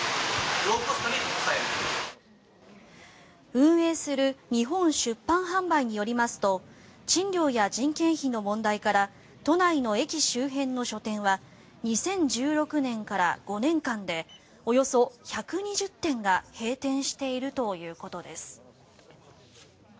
運営する日本出版販売によりますと賃料や人件費の問題から都内の駅周辺の書店は２０１６年から５年間でおよそ１２０店が閉店しているということです。